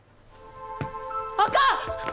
あかん！